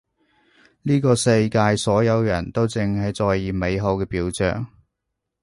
呢個世界所有人都淨係在意美好嘅表象